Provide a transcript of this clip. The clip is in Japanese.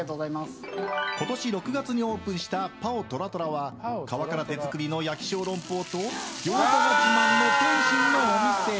今年６月にオープンした包トラトラは皮から手作りの焼き小龍包とギョーザが自慢の点心のお店。